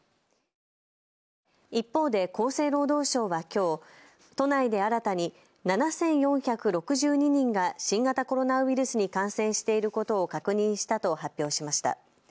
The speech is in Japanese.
一方で厚生労働省はきょう、都内で新たに７４６２人が新型コロナウイルスに感染していることを確認したと発表しました。